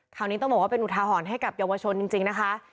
นี้ต้องบอกว่าเป็นอุทาหรณ์ให้กับเยาวชนจริงนะคะ